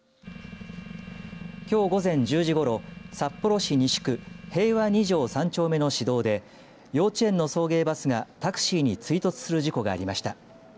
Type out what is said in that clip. きょう午前１０時ごろ札幌市西区平和２条３丁目の市道で幼稚園の送迎バスがタクシーに追突する事故がありました。